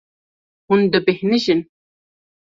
Hûn dibêhnijin.